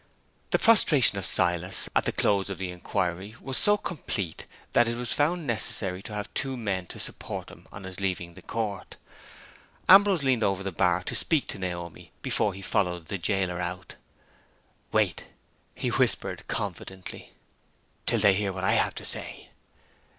The prostration of Silas, at the close of the inquiry, was so complete, that it was found necessary to have two men to support him on his leaving the court. Ambrose leaned over the bar to speak to Naomi before he followed the jailer out. "Wait," he whispered, confidently, "till they hear what I have to say!"